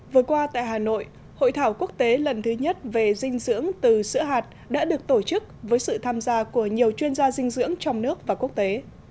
vừa qua tại hà nội hội thảo quốc tế lần thứ nhất về dinh dưỡng từ sữa hạt đã được tổ chức với sự tham gia của nhiều chuyên gia dinh dưỡng trong nước và quốc tế